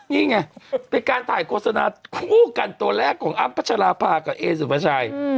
นี่ไงเป็นการถ่ายโฆษณาคู่กันตัวแรกของอ้ำพัชราภากับเอสุภาชัย